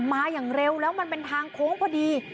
มาอย่างเร็วแล้วมันเป็นทางโค้งพอดี